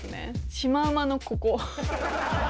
シマウマのここ。